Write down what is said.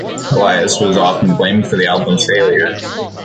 Elias was often blamed for the album's failure.